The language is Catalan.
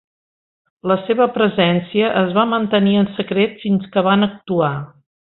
La seva presència es va mantenir en secret fins que van actuar.